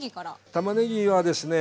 たまねぎはですね